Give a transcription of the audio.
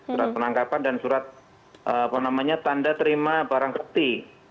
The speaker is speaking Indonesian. surat penangkapan dan surat tanda terima barang bukti